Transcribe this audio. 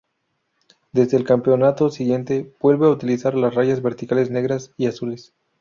Desde el campeonato siguiente, vuelve a utilizar las rayas verticales negras y azules.